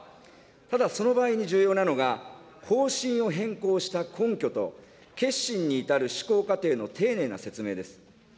ただ、その場合に重要なのが、方針を変更した根拠と、決心に至る思考過程の丁寧な説明です。